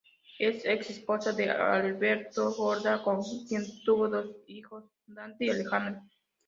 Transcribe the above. Es ex esposa de Alberto Korda, con quien tuvo dos hijos: Dante y Alejandra.